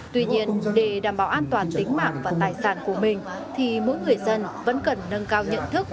tuy nhiên để đảm bảo an toàn tính mạng và tài sản của mình thì mỗi người dân vẫn cần nâng cao nhận thức